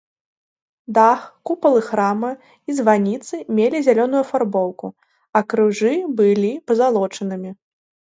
Дах, купалы храма і званіцы мелі зялёную афарбоўку, а крыжы былі пазалочанымі.